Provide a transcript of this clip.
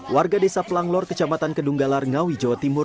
warga desa pelanglor kecamatan kedunggalar ngawi jawa timur